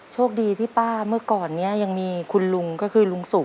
โชคดีที่ป้าเมื่อก่อนนี้ยังมีคุณลุงก็คือลุงสุก